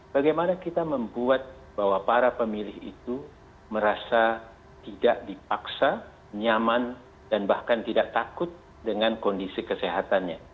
bagaimana kita membuat bahwa para pemilih itu merasa tidak dipaksa nyaman dan bahkan tidak takut dengan kondisi kesehatannya